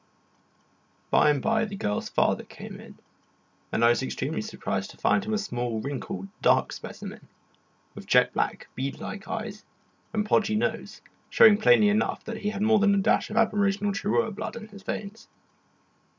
By and by the girl's father came in, and I was extremely surprised to find him a small, wrinkled, dark specimen, with jet black, bead like eyes and podgy nose, showing plainly enough that he had more than a dash of aboriginal Charrua blood in his veins.